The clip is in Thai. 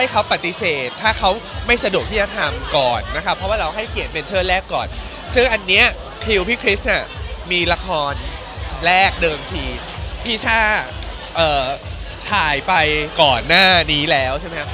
คอนแรกเดิมทีพี่ช่าอ่ะเอ่อถ่ายไปก่อนหน้านี้แล้วใช่ไหมครับ